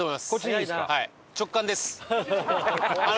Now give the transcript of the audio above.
はい。